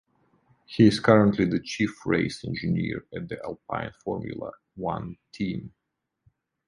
He is currently the chief race engineer at the Alpine Formula One team.